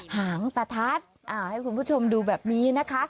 หางประทัดให้คุณผู้ชมดูแบบนี้นะคะ